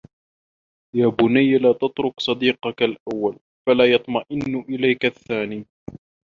يَا بُنَيَّ لَا تَتْرُكْ صَدِيقَك الْأَوَّلَ فَلَا يَطْمَئِنَّ إلَيْك الثَّانِي